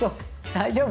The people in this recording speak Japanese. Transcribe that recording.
大丈夫？